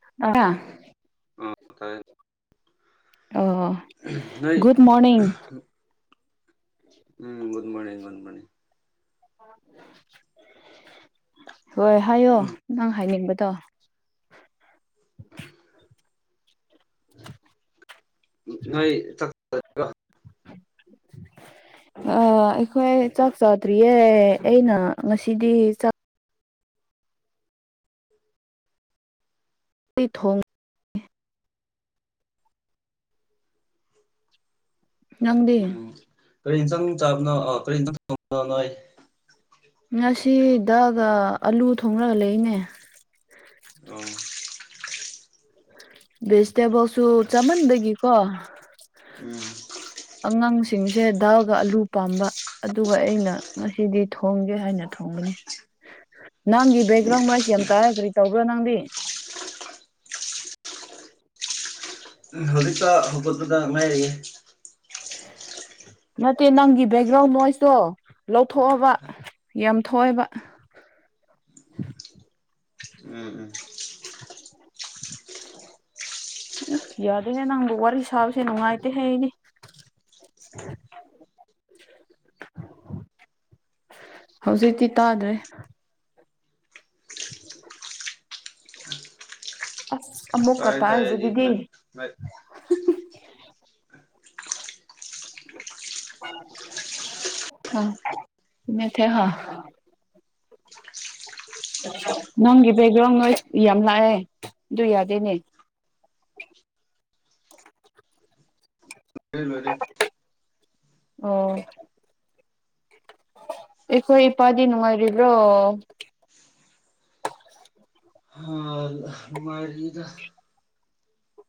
[unintelligible] ꯎꯝ ꯇꯥꯏ ꯑꯣ [unintelligible] ꯅꯣꯏ ꯒꯨꯗ ꯃꯣꯔꯅꯤꯡ [unintelligible] [unintelligible] [unintelligible] [unintelligible] ꯍꯣꯏ ꯍꯥꯏꯌꯣ ꯅꯪ ꯍꯥꯏꯅꯤꯡꯕꯗꯣ [inaudible] ꯅꯣꯏ [unintelligible] ꯑꯥ ꯑꯩꯈꯣꯏ ꯆꯥꯛ ꯆꯥꯗ꯭ꯔꯤꯌꯦ ꯑꯩꯅ ꯉꯁꯤꯗꯤ ꯆꯥꯛ [unintelligible] ꯊꯣꯡ ꯅꯪꯗꯤ ꯎꯝ ꯀꯔꯤ ꯏꯟꯁꯥꯡ ꯆꯥꯕꯅꯣ ꯑ ꯀꯔꯤ ꯢꯟꯁꯥꯡ ꯊꯣꯡꯕꯅꯣ ꯅꯣꯢ ꯉꯁꯤ ꯗꯥꯜꯒ ꯑꯂꯨ ꯊꯣꯡꯂꯒ ꯂꯩꯅꯦ ꯑꯣ ꯚꯤꯖꯇꯦꯕꯜꯁꯨ ꯆꯥꯃꯟꯕꯒꯤ ꯀꯣ ꯎꯝ ꯑꯉꯥꯡꯁꯤꯡꯁꯦ ꯗꯥꯜꯒ ꯑꯂꯨ ꯄꯥꯝꯕ ꯑꯗꯨꯒ ꯑꯩꯅ ꯉꯁꯤꯗꯤ ꯊꯣꯡꯒꯦ ꯍꯥꯏꯅ ꯊꯣꯡꯕꯅꯤ [inaudible] ꯅꯪꯒꯤ ꯕꯦꯛꯒ꯭ꯔꯥꯎꯟ ꯅꯣꯏꯁ ꯌꯥꯝ ꯇꯥꯢꯌꯦ ꯀꯔꯤ ꯇꯧꯕ꯭ꯔꯣ ꯅꯪꯗꯤ ꯍꯧꯖꯤꯛꯇ ꯍꯧꯒꯠꯄꯗ ꯉꯥꯏꯔꯤꯑꯦ [inaudible] ꯅꯠꯇꯦ ꯅꯪꯒꯤ ꯕꯦꯛꯒ꯭ꯔꯥꯎꯟ ꯅ‌ꯣꯏꯁꯇꯣ ꯂꯧꯊꯣꯛꯑꯣꯕ ꯌꯥꯝ ꯊꯣꯛꯑꯦꯕ ꯎꯝ ꯎꯝ ꯎꯝ ꯌꯥꯗꯦꯅꯦ ꯅꯪꯕꯨ ꯋꯥꯔꯤ ꯁꯥꯕꯁꯦ ꯅꯨꯡꯉꯥꯏꯇꯦ ꯍ‌ꯦ ꯑꯩꯗꯤ [inaudible] ꯍꯧꯖꯤꯛꯇꯤ ꯇꯥꯗ꯭ꯔꯦ [inaudible] ꯑꯁ ꯑꯃꯨꯛꯀ ꯇꯥꯏ ꯇꯥꯏ ꯑꯩꯗꯤ ꯇꯥꯏꯔꯤꯖꯤꯗꯤ [unintelligible] ꯑ ꯅꯦꯠꯊꯦꯍꯥ ꯅꯪꯒꯤ ꯕꯦꯛꯒ꯭ꯔꯥꯎꯟ ꯅ‌ꯣꯏꯁ ꯌꯥꯝ ꯂꯥꯛꯑꯦ ꯑꯗꯨ ꯌꯥꯗꯦꯅꯦ ꯑꯩ ꯂꯣꯏꯔꯦ ꯑꯣ ꯑꯩꯈꯣꯏ ꯏꯄꯥꯗꯤ ꯅꯨꯡꯉꯥꯏꯔꯤꯕ꯭ꯔ‌ꯣ ꯍꯥ... ꯅꯨꯡꯉꯥꯏꯔꯤꯗ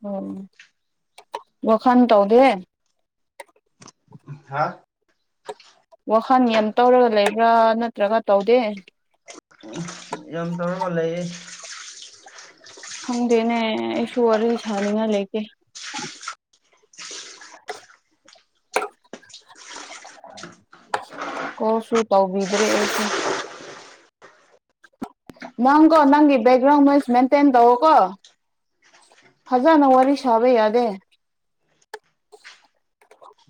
ꯑꯝ ꯋꯥꯈꯟ ꯇꯧꯗꯦ ꯍꯥꯥ ꯋꯥꯈꯟ ꯌꯥꯝ ꯇꯧꯔꯒ ꯂꯩꯕ꯭ꯔꯥ ꯅꯠꯇ꯭ꯔꯒ ꯇꯧꯗꯦ ꯌꯥꯝ ꯇꯧꯔꯒ ꯂꯩꯌꯦ ꯈꯪꯗ‌ꯦꯅ‌ꯦ ꯑꯩꯁꯨ‌ ꯋꯥꯔꯤ ꯁꯥꯅꯤꯉꯥꯏ ꯂꯩꯇ‌ꯦ [unintelligible] ꯀ‌ꯣꯜꯁꯨ ꯇꯧꯕꯤꯗ꯭ꯔ‌ꯦ ꯑꯩꯁꯨ ꯅꯪꯀ‌ꯣ ꯅꯪꯒꯤ ꯕ‌ꯦꯛꯒ꯭ꯔꯥꯎꯟ ꯅ‌ꯣꯏꯁ ꯃꯦꯟꯇꯦꯟ ꯇꯧꯑ‌ꯣꯀꯣ ꯐꯖꯅ ꯋꯥꯔꯤ ꯁꯥꯕ ꯌꯥꯗꯦ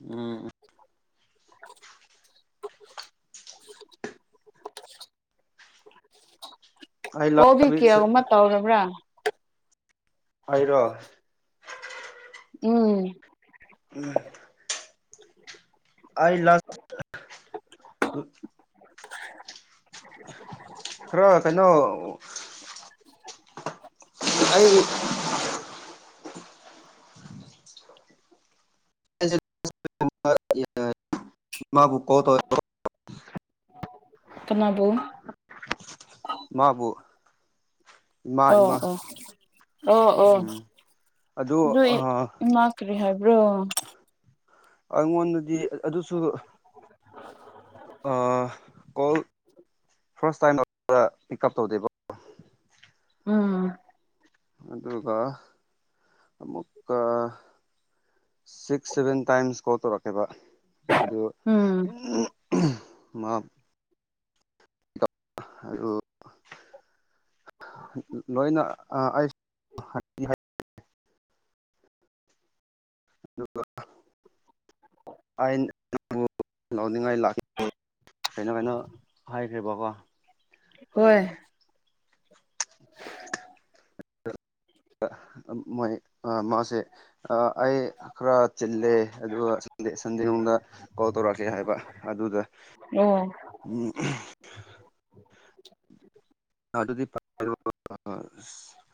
ꯎꯝ ꯎ ꯑꯩ ꯂꯥꯁ ꯀꯣꯕꯤ ꯋꯤꯛ ꯀꯌꯥꯒꯨꯝꯕ ꯇꯧꯔꯕ꯭ꯔꯥ ꯑꯩꯔꯣ ꯎꯝ ꯎꯝ ꯑꯩ ꯂꯥꯁ ꯈꯔ ꯀꯩꯅꯣ ꯑꯩ ꯏ ꯃꯥꯕꯨ ꯀꯣꯜꯇꯧꯌ‌ꯦꯀ‌ꯣ ꯀꯅꯥꯕꯨ ꯃꯥꯕꯨ ꯏꯃꯥ ꯑꯣ ꯏꯃꯥ ꯑꯣ ꯑꯣ ꯑꯣ ꯎꯝ ꯑꯗꯨ ꯑꯗꯨꯏ ꯏꯃꯥ ꯀꯔꯤ ꯍꯥꯏꯕ꯭ꯔꯣ ꯑꯩꯉꯣꯟꯗꯗꯤ ꯑꯗꯨꯁꯨ ꯑꯥ ꯀꯣꯜ ꯐꯥꯔꯁ ꯇꯥꯏꯝ ꯑꯗꯨꯗ ꯄꯤꯛꯀꯞ ꯇꯧꯗꯦꯕ ꯎꯝ ꯑꯗꯨꯒ ꯑꯃꯨꯛꯀ ꯁꯤꯛꯁ ꯁꯚꯦꯟ ꯇꯥꯏꯝꯁ ꯀꯣꯜ ꯇꯧꯔꯛꯀꯦꯕ ꯑꯗꯨ ꯎꯝ ꯃꯥ ꯍꯥꯏꯌꯨ ꯂ‌ꯣꯏꯅ ꯑ ꯑꯩꯁ ꯑꯗꯨꯒ ꯑꯥꯏꯟ ꯂꯧꯅꯤꯡꯉꯥꯏ ꯂꯥꯛꯀꯦ ꯀꯩꯅꯣ ꯀꯩꯅꯣ ꯍꯥꯏꯈ꯭ꯔ‌ꯦꯕꯀꯣ ꯍꯣꯏ ꯑꯥ ꯃꯣꯏ ꯑꯥ ꯃꯥꯁꯦ ꯑꯥ ꯑꯩ ꯈꯔ ꯆꯤꯜꯂꯦ ꯑꯗꯨꯒ ꯁꯟꯗꯦ ꯁꯟꯗꯦ ꯒꯨꯝꯗ ꯀꯣꯜ ꯇꯧꯔꯛꯀꯦ ꯍꯥꯏꯕ ꯑꯗꯨꯗ ꯑꯣ ꯎꯝ ꯑꯗꯨꯗꯤ [unintelligible]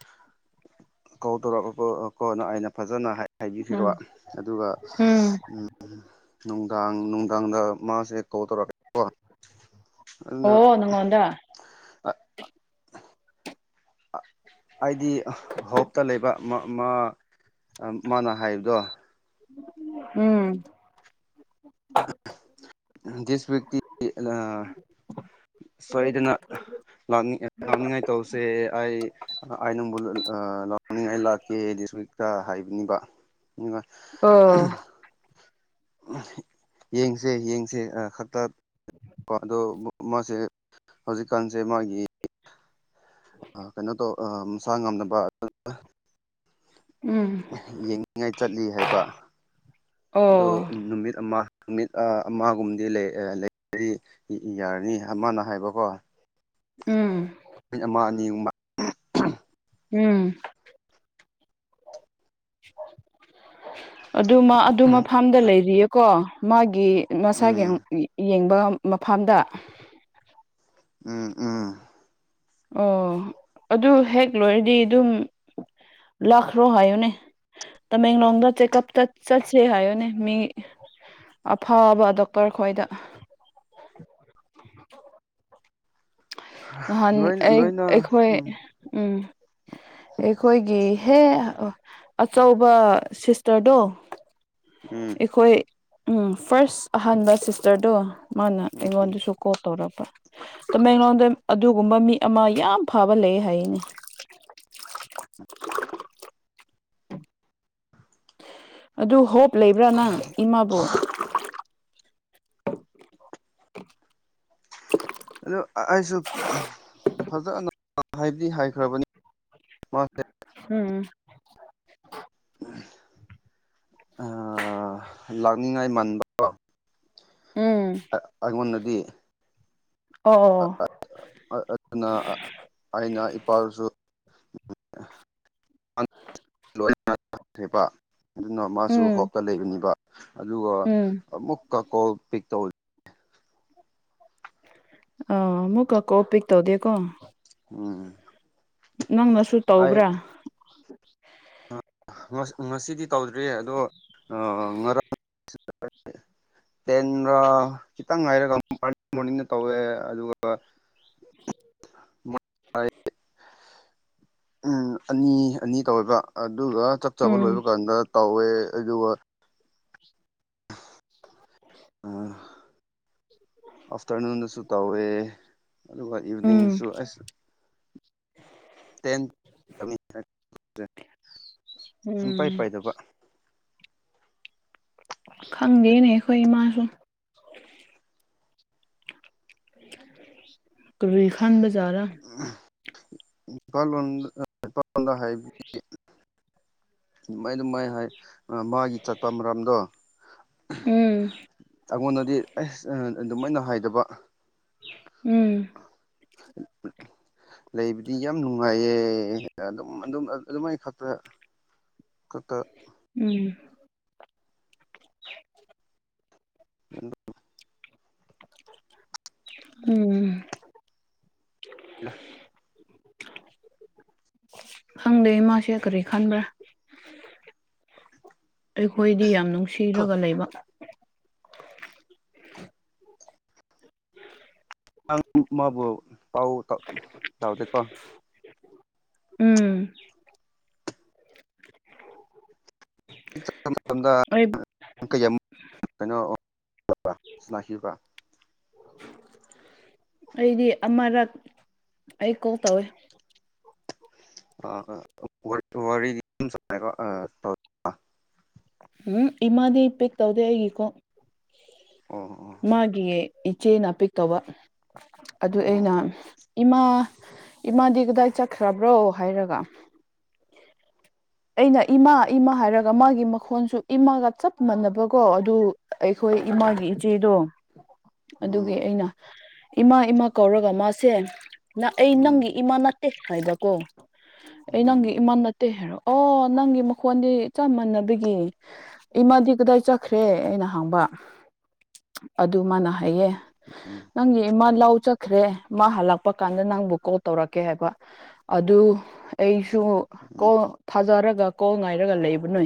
ꯀꯧ ꯇꯧꯔꯛ [unintelligible] ꯀꯣꯅ ꯑꯩꯅ ꯐꯖꯅ ꯍꯥꯏꯕꯤꯈꯤꯕ ꯎꯝ ꯑꯗꯨꯒ ꯎꯝ ꯅꯨꯡꯗꯥꯡ ꯅꯨꯡꯗꯥꯡꯗ ꯃꯥꯁꯦ ꯀꯑꯣꯂ ꯇꯧꯔꯛꯦ ꯑꯣ ꯅꯉꯣꯣꯟꯗ ꯑꯩꯗꯤ ꯍꯣꯞꯇ ꯂꯩꯕ ꯃꯥ ꯃꯥꯅ ꯍꯥꯏꯕꯗꯣ ꯎꯝ ꯗꯤꯁ ꯋꯤꯛꯇꯤ ꯑꯥ ꯁꯣꯏꯗꯅ ꯂꯥꯛꯅꯤꯡ ꯂꯥꯛꯅꯤꯡꯉꯥꯏ ꯇꯧꯁꯦ ꯑꯩ ꯑ ꯅꯪꯕꯨ ꯂꯥꯎꯅꯤꯡꯉꯥꯏ ꯂꯥꯛꯀꯦ ꯗꯤꯁ ꯋꯤꯛꯇ ꯍꯥꯏꯕꯅꯤꯕ ꯑꯣ ꯌꯦꯡꯁꯦ ꯌꯦꯡꯁꯦ ꯈꯛꯇ ꯑꯗꯣ ꯃꯥꯁꯦ ꯍꯧꯖꯤꯛꯀꯥꯟꯁꯦ ꯃꯥꯒꯤ ꯀꯩꯅꯣ ꯇꯧ ꯃꯁꯥ ꯉꯝꯅꯕ ꯑꯗꯨ ꯎꯝ ꯌꯦꯡꯅꯤꯡꯉꯥꯏ ꯆꯠꯂꯤ ꯍꯥꯏꯕ ꯑꯗꯣ ꯑꯣ ꯅꯨꯃꯤꯠ ꯑꯃ ꯅꯨꯃꯤꯠ ꯑꯃꯒꯨꯝꯗꯤ ꯂꯩ ꯂꯩꯔꯤ ꯌꯥꯔꯅꯤ ꯑꯃꯅ ꯍꯥꯏꯕꯀꯣ ꯎꯝ ꯃꯤꯠ ꯑꯃ ꯑꯅꯤꯒ ꯎꯝ ꯑꯗꯨꯃ ꯑꯗꯨꯃ ꯐꯥꯝꯗ ꯂꯩꯔꯤꯌꯦꯀꯣ ꯃꯥꯒꯤ ꯃꯁꯥ ꯌꯦꯡ ꯎꯝ ꯌꯦꯡꯕ ꯃꯐꯝꯗ ꯎꯝ ꯎꯝ ꯑꯣ ꯑꯗꯨ ꯍꯦꯛ ꯂꯣꯏꯔꯗꯤ ꯑꯗꯨꯝ ꯂꯥꯛꯈ꯭ꯔꯣ ꯍꯥꯏꯌꯨꯅꯦ ꯇꯃꯦꯡꯂꯣꯡꯗ ꯆꯦꯛꯀꯑꯞ ꯆꯠ ꯆꯠꯁꯦ ꯍꯥꯏꯌꯅꯦ ꯃꯤ ꯑꯐꯕ ꯗꯣꯛꯇꯔ ꯈꯣꯏꯗ ꯅꯍꯥꯟ ꯂꯣꯏꯅ ꯑꯩ ꯂꯣꯏꯅ ꯑꯩꯈꯣꯏ ꯎꯝ ꯎꯝ ꯑꯩꯈꯣꯏꯒꯤ ꯍꯦ ꯑꯆꯧꯕ ꯁꯤꯁꯇꯔꯗꯣ ꯎꯝ ꯑꯩꯈꯣꯏ ꯎꯝ ꯐꯥꯔꯁ ꯑꯍꯥꯟꯕ ꯁꯤꯁꯇꯔꯗꯣ ꯃꯥꯅ ꯑꯩꯉꯣꯟꯗꯁꯨ ꯀꯣꯜ ꯇꯧꯔꯛꯄ ꯇꯃꯦꯡꯂꯣꯡꯗ ꯑꯗꯨꯒꯨꯝꯕ ꯃꯤ ꯑꯃ ꯌꯥꯝ ꯐꯕ ꯂꯩꯌꯦ ꯍꯥꯏꯌꯦꯅꯦ ꯑꯗꯨ ꯍꯣꯞ ꯂꯩꯕ꯭ꯔꯥ ꯅꯪ ꯏꯃꯥꯕꯨꯣ ꯑꯗꯨ ꯑꯩꯁꯨ ꯐꯖꯅ ꯍꯥꯏꯕꯗꯤ ꯍꯥꯏꯈ꯭ꯔꯕꯅꯤ ꯃꯥꯁ ꯎꯝ ꯎ ꯑ [unintelligible] ꯂꯥꯛꯅꯤꯡꯉꯥꯏ ꯃꯥꯟꯕ ꯎꯝ ꯑꯩꯉꯣꯟꯗꯗꯤ ꯑꯣ ꯑꯣ ꯑꯗꯨꯅ ꯑꯩꯅ ꯏꯄꯥꯗꯁꯨ ꯂꯣꯏꯈ꯭ꯔꯦꯕ ꯑꯗꯨꯅ ꯃꯥꯁꯨ ꯎꯝ ꯍꯣꯞꯇ ꯂꯩꯕꯅꯤꯕ ꯑꯗꯨꯒ ꯎꯝ ꯑꯃꯨꯛꯀ ꯀꯣꯜ ꯄꯤꯛ ꯇꯧ ꯑꯥ ꯑꯃꯨꯛ ꯀ ꯀꯣꯜ ꯄꯤꯛ ꯇꯧꯗꯦꯀꯣ ꯎꯝ ꯅꯪꯅꯁꯨ ꯑꯩ ꯇꯧꯕ꯭ꯔꯥ ꯉꯁꯤꯗꯤ ꯇꯧꯗ꯭ꯔꯤꯌꯦ ꯑꯗꯣ ꯉꯔꯥꯡ ꯇꯦꯟ ꯈꯤꯇꯪ ꯍꯥꯏꯥꯏꯔꯒ ꯄꯥꯔ ꯃꯣꯔꯅꯤꯡꯗ ꯇꯧꯋꯦ ꯑꯗꯨꯒ [unintelligible] ꯎꯝ ꯑꯅꯤ ꯑꯅꯤ ꯇꯧꯋꯦꯕ ꯑꯗꯨꯒ ꯆꯠꯆꯕ ꯎꯝ ꯂꯣꯏꯕ ꯀꯥꯟꯗ ꯇꯧꯋꯦ ꯑꯗꯨꯒ ꯑ ꯑꯐꯇꯔꯅꯨꯟꯗꯁꯨ ꯇꯧꯋꯦ ꯑꯗꯨꯒ ꯎꯝ ꯏꯚꯅꯤꯡꯗꯁꯨ ꯑꯁ ꯇꯦꯟ [unintelligible] ꯁꯨꯝ ꯄꯥꯏ ꯎꯝ ꯄꯥꯏꯗꯕ ꯈꯪꯗꯦꯅꯦ ꯑꯩꯈꯣꯏ ꯏꯃꯥꯁꯨ ꯀꯔꯤ ꯈꯥꯟꯕꯖꯔꯥ [unintelligible] ꯗꯨꯃꯥꯏ ꯗꯨꯃꯏ ꯍꯥꯏ ꯑ ꯃꯥꯒꯤ ꯆꯠꯄ ꯃꯔꯝꯗꯣ ꯎꯝ ꯑꯉꯣꯟꯗꯗꯤ ꯑꯁ ꯑꯗꯨꯃꯥꯏꯅ ꯍꯥꯏꯗꯕ ꯎꯝ [inaudible] ꯂꯩꯕꯗꯤ ꯌꯥꯝ ꯅꯨꯡꯉꯥꯏꯌꯦ ꯑꯗꯨꯝ ꯑꯗꯨꯝ ꯑꯗꯨꯃꯥꯏ ꯈꯛꯇ ꯀ ꯀꯥ ꯎꯝ [inaudible] ꯎꯝ [inaudible] ꯈꯪꯗꯦ ꯃꯥꯥꯁꯔ ꯀꯔꯤ ꯈꯟꯕ꯭ꯔꯥ ꯑꯩꯈꯣꯏꯗꯤ ꯌꯥꯝ ꯅꯨꯡꯁꯤꯔꯒ ꯂꯩꯕ ꯑꯪ ꯃꯕꯨ ꯄꯥꯎ ꯇꯥꯎ ꯇꯥꯎꯗꯦꯀꯣ ꯎꯝ ꯑꯩ [unintelligible] ꯑꯩꯗꯤ ꯑꯃꯔꯛ ꯑꯩ ꯀꯣꯟ ꯇꯧꯋꯦ ꯑꯥ [unintelligible] ꯎꯝꯍꯡ ꯏꯃꯥꯗꯤ ꯄꯤꯛ ꯇꯧꯗꯦ ꯑꯩꯒꯤ ꯀꯣꯟ ꯑꯣ ꯑꯣ ꯃꯥꯒꯤ ꯏꯆꯦ ꯅ ꯄꯤ ꯀꯋꯥ ꯑꯗꯨ ꯑꯣ ꯑꯩꯅ ꯏꯃꯥ ꯏꯃꯥꯗꯤ ꯀꯗꯥꯏ ꯆꯠꯈ꯭ꯔꯕ꯭ꯔꯣ ꯍꯥꯏꯔꯒ ꯑꯩꯅ ꯏꯃꯥ ꯏꯃꯥ ꯍꯥꯏꯔꯒ ꯃꯥꯒꯤ ꯃꯈꯣꯟꯁꯨ ꯏꯃꯥꯒ ꯆꯞ ꯃꯥꯟꯅꯕꯀꯣ ꯑꯗꯨ ꯑꯩꯈꯣꯏ ꯏꯃꯥꯒꯤ ꯏꯆꯦꯗꯣ ꯑꯗꯨꯒꯤ ꯎꯝ ꯑꯩꯅ ꯏꯃꯥ ꯏꯃꯥ ꯀꯧꯔꯒ ꯃꯥꯁꯦ ꯅ ꯑꯩ ꯎꯝ ꯎꯝ ꯅꯪꯒꯤ ꯏꯃꯥ ꯅꯠꯇꯦ ꯍꯥꯏꯕ ꯀꯣ ꯑꯩ ꯎꯝ ꯅꯪꯒꯤ ꯏꯃꯥ ꯅꯠꯇꯦ ꯍꯥꯏꯔꯣ ꯑꯣ ꯅꯪꯒꯤ ꯃꯈꯣꯟꯗꯤ ꯆꯞ ꯃꯥꯟꯅꯕꯒꯤ ꯏꯃꯗꯤ ꯀꯗꯥꯏ ꯆꯠꯈ꯭ꯔꯦ ꯑꯩꯅ ꯍꯥꯡꯕ ꯑꯗꯨ ꯃꯥꯅ ꯍꯥꯏꯌꯦ ꯅꯪꯒꯤ ꯏꯃꯥ ꯂꯥꯎ ꯆꯠꯈ꯭ꯔꯦ ꯃꯥ ꯍꯜꯂꯛꯄ ꯀꯥꯟꯗ ꯅꯪꯕꯨ ꯀꯣꯜ ꯇꯧꯔꯛꯀꯦ ꯍꯥꯏꯕ ꯑꯗꯨ ꯑꯩꯁꯨ ꯀꯣ ꯎꯝ ꯊꯥꯖꯔꯒ ꯀꯣꯜ ꯉꯥꯏꯔꯒ ꯂꯩꯕꯅꯦ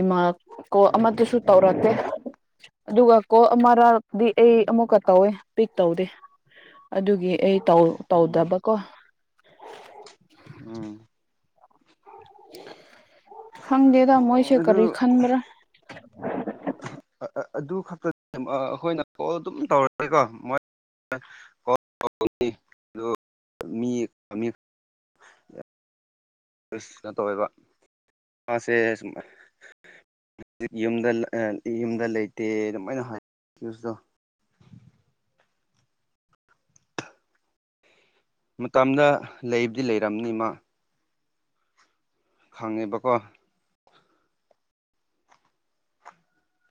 ꯏꯃꯥ ꯀꯣ ꯎꯝ ꯑꯃꯗꯁꯨ ꯇꯧꯔꯛꯇꯦ ꯑꯗꯨꯒ ꯀꯣ ꯑꯃꯔꯛꯗꯤ ꯑꯩ ꯑꯃꯨꯛꯀ ꯇꯧꯋꯦ ꯄꯤꯛ ꯇꯧꯗꯦ ꯑꯗꯨꯒꯤ ꯑꯩ ꯇꯧ ꯎꯝ ꯇꯧꯗꯕꯀꯣ ꯎꯝ ꯍꯪꯗꯦꯗ ꯃꯣꯏꯁꯦ ꯑꯗꯨ ꯀꯔꯤ ꯈꯟꯕ꯭ꯔꯥ ꯑꯗꯨ ꯈꯛꯇꯅꯦ ꯑꯩꯈꯣꯏꯅ ꯀꯣꯜ ꯑꯗꯨꯝ [unintelligible] [inaudible] ꯇꯧꯋꯦꯕ ꯃꯥꯁꯦ ꯁꯨꯝ ꯌꯨꯝꯗ ꯑ ꯌꯨꯝꯗ ꯂꯩꯇꯦ ꯑꯗꯨꯃꯥꯏꯅ [unintelligible] ꯃꯇꯝꯗ ꯂꯩꯕꯨꯗꯤ ꯂꯩꯔꯝꯅꯤ ꯏꯃ ꯈꯪꯉꯦꯕꯀꯣ